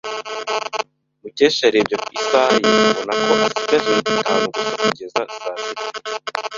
Mukesha yarebye isaha ye abona ko asigaje iminota itanu gusa kugeza saa sita.